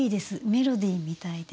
メロディーみたいで。